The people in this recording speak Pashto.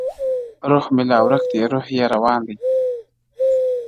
روح مي لا ورک دی، روح یې روان دی.